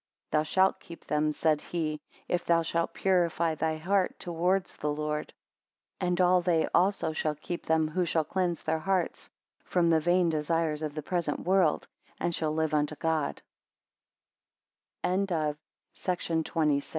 36 Thou shalt keep them, said he, if thou shalt purify thy heart towards the Lord. And all they also shall keep them who shall cleanse their hearts from the vain desires of the present world, and shall live